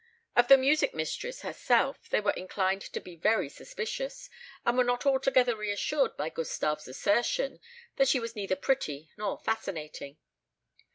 Of the music mistress herself they were inclined to be very suspicious, and were not altogether reassured by Gustave's assertion that she was neither pretty nor fascinating.